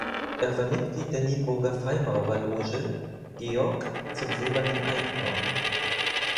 Er war Mitglied der Nienburger Freimaurerloge "Georg zum silbernen Einhorn".